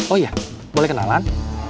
oh iya boleh kenalan